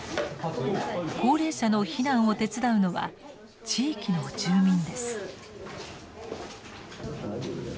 高齢者の避難を手伝うのは地域の住民です。